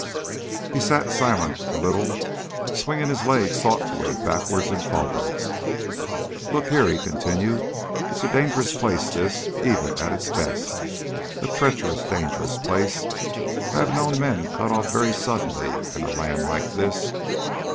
He sat silent a little, swinging his leg thoughtfully backwards and forwards. "Look here," he continued; "it's a dangerous place this, even at its best a treacherous, dangerous place. I have known men cut off very suddenly in a land like this.